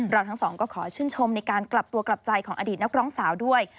ทั้งสองก็ขอชื่นชมในการกลับตัวกลับใจของอดีตนักร้องสาวด้วย